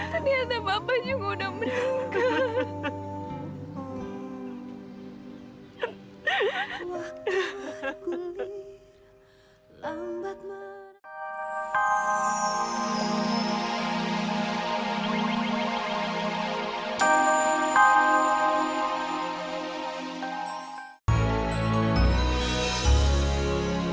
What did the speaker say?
keniata bapaknya juga sudah meninggal